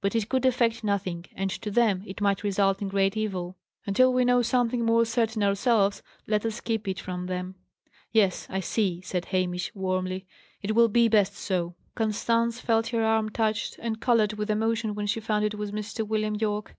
But it could effect nothing; and, to them, it might result in great evil. Until we know something more certain ourselves, let us keep it from them." "Yes, I see it," said Hamish, warmly. "It will be best so." Constance felt her arm touched, and coloured with emotion when she found it was Mr. William Yorke.